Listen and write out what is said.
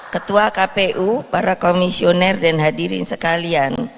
ketua kpu para komisioner dan hadirin sekalian